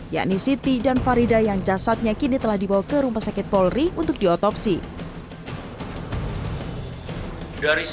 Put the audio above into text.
yakni siti dan farida yang jasadnya kini telah dibawa ke rumah sakit polri untuk diotopsi